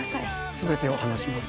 全てを話します